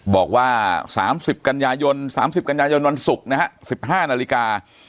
บอกว่า๓๐กันยายนวันศุกร์๑๕นาฬิกา